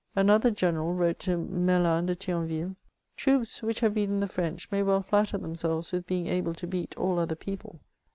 Another general wrote to Merlin de Thionville :" Troops which have beaten the French, may well flatter themselves with being able to beat all other people."